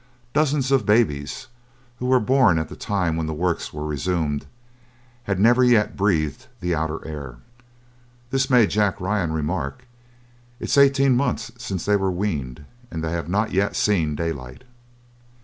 Dozens of babies, who were born at the time when the works were resumed, had never yet breathed the outer air. This made Jack Ryan remark, "It's eighteen months since they were weaned, and they have not yet seen daylight!"